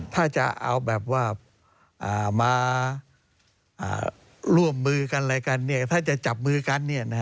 ถ้าจะเอาแบบว่ามาร่วมมือกันอะไรกันถ้าจะจับมือกัน